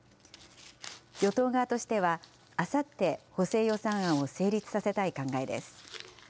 与党側としては、あさって補正予算案を成立させたい考えです。